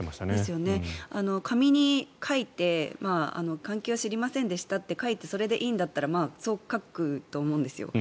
紙に書いて関係は知りませんでしたと書いてそれでいいんだったらそう書くと思うんですよ。